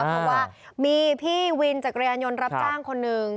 เพราะว่ามีพี่วินจักรยานยนต์รับจ้างคนหนึ่ง